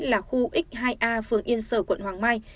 là khu x hai a phường yên sở quận hoàng mai